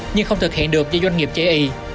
nhưng không thực hiện được do doanh nghiệp chê ý